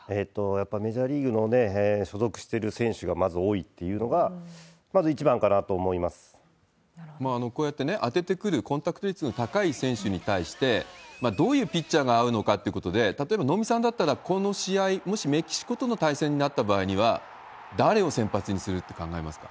やっぱメジャーリーグの所属してる選手がまず多いというのが、こうやって当ててくる、コンタクト率の高い選手に対して、どういうピッチャーが合うのかってことで、例えば能見さんだったら、この試合、もしメキシコとの対戦になった場合には、誰を先発にするって考えますか？